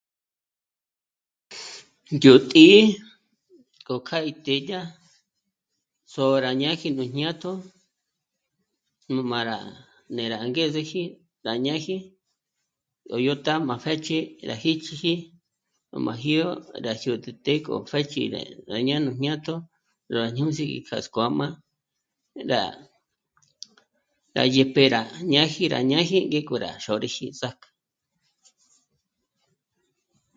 Yó tǐ'i k'o k'a í të́'ë dyà sô'o rá ñáji nú jñátjo, nú má rá né'e rá ángezeji rá ñájii k'o yó t'á'má pjë́chiji rá jíchiji 'u máji yó rá jyòd'ü ték'o pjë́chib'e rá ñá'a nú jñátjò rá jñū́s'i kja skuǎma, rá dyépe rá ñáji, rá ñáji ngék'o rá xôrüji sàk'ü